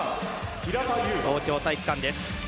東京体育館です。